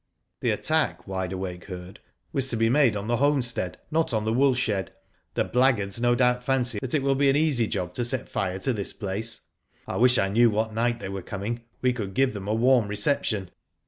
The attack, Wide Awake heard, was to be made on the homestead, not on the wool shed. The blackguards * no doubt fancy it will be an easy job to set fire to this place. I wish I knew what night they were coming, we could give them a warm reception."